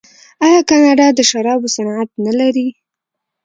آیا کاناډا د شرابو صنعت نلري؟